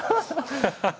ハハハハ！